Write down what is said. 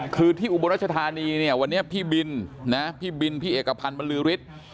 คือที่อุบลรัชธานีเนี่ยวันนี้พี่บินนะพี่บินพี่เอกพันธ์บรรลือฤทธิ์